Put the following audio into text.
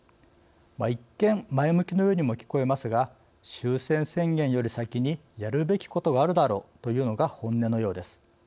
一見前向きのようにも聞こえますが「終戦宣言より先にやるべきことがあるだろう」というのが本音のようです。